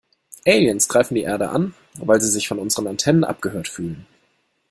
Aliens greifen die Erde an, weil sie sich von unseren Antennen abgehört fühlen.